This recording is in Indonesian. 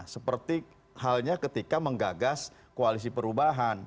seperti halnya ketika menggagas koalisi perubahan